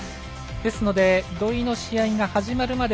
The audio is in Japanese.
ですので土居の試合が始まるまで